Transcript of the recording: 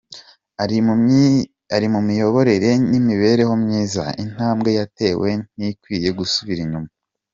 Ari mu miyoborere n’imibereho myiza, intambwe yatewe ntikwiye gusubira inyuma.